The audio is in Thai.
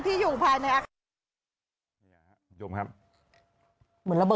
ที่อยู่ภายในอ่ะครับ